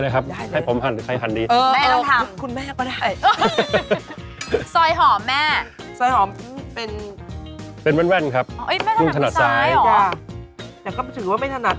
นะครับเราหั่นครึ่งก่อนนะครับนะครับนะครับนะครับนะครับนะครับ